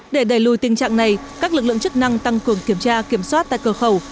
để đẩy lùi tình trạng này các lực lượng chức năng tăng cường kiểm tra kiểm soát tại cửa khẩu